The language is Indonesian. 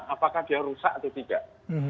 apakah dia rusak atau tidak